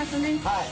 はい。